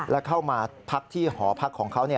แล้วเข้ามาพักที่หอพักของเขา